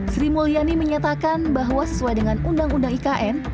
sri mulyani menyatakan bahwa sesuai dengan undang undang ikn